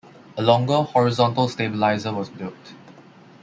A longer horizontal stabilizer was built.